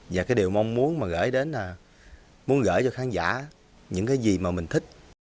và cái điều mong muốn mà gửi đến là muốn gửi cho khán giả những cái gì mà mình thích